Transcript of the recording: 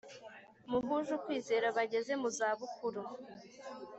Muhuje ukwizera bageze mu zabukuru